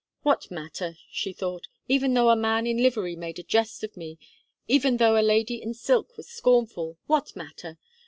"What matter!" she thought, "even though a man in livery made a jest of me even though a lady in silk was scornful. What matter!